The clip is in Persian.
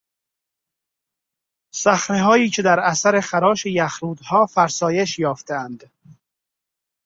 صخرههایی که در اثر خراش یخرودها فرسایش یافتهاند